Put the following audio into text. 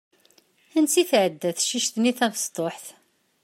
Ansa i tɛedda tecict-nni tabesṭuḥt?